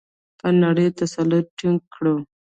په نړۍ تسلط ټینګ کړو؟